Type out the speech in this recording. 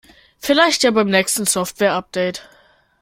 Vielleicht ja beim nächsten Softwareupdate.